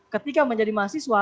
ketika menjadi mahasiswa